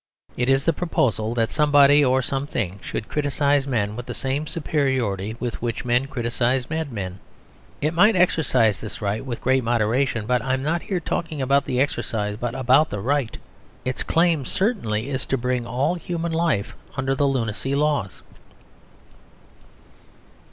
It is the proposal that somebody or something should criticise men with the same superiority with which men criticise madmen. It might exercise this right with great moderation; but I am not here talking about the exercise, but about the right. Its claim certainly is to bring all human life under the Lunacy Laws.